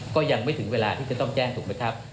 ก็ยังไม่ถึงเวลาที่จะต้องแจ้งถูกไหมครับ